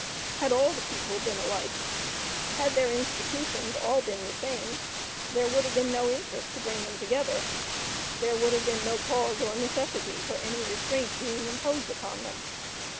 Had all the people been alike had their institutions all been the same there would have been no interest to bring them together; there would have been no cause or necessity for any restraint being imposed upon them.